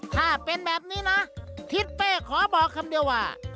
ถ้าเป็นแบบนี้นะทิศเป้ขอบอกคำเดียวว่า